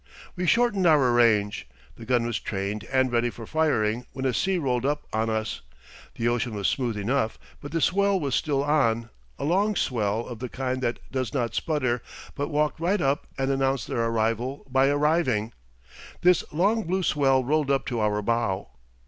We shortened our range. The gun was trained and ready for firing when a sea rolled up on us. The ocean was smooth enough, but the swell was still on a long swell of the kind that does not sputter, but walk right up and announce their arrival by arriving. This long blue swell rolled up to our bow.